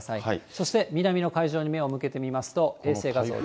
そして南の海上に目を向けてみますと、衛星画像です。